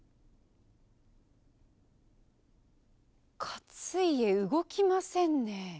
勝家動きませんね。